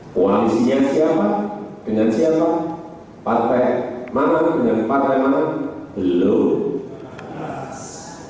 koalisinya siapa dengan siapa partai mana dengan partai mana belum jelas